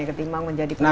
ketimbang menjadi penelon